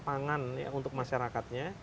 pangan untuk masyarakatnya